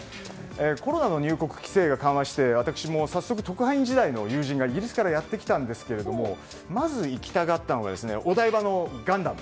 コロナの入国規制が緩和して私も早速、特派員時代の友人がイギリスからやってきたんですがまず行きたがったのがお台場のガンダム。